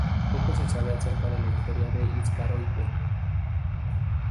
Poco se sabe acerca de la historia de Iscariote.